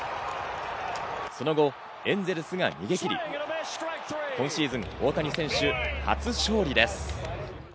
その後、エンゼルスが逃げ切り、今シーズン、大谷選手、初勝利です。